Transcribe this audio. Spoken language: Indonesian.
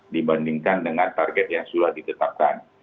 dibandingkan dengan target yang sudah ditetapkan